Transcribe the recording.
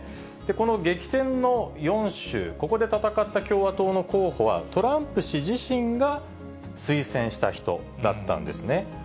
この激戦の４州、ここで戦った共和党の候補は、トランプ氏自身が推薦した人だったんですね。